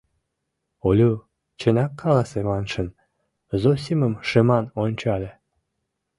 Олю, чынак, каласе маншын, Зосимым шыман ончале.